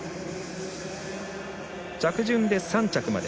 着順で３着まで。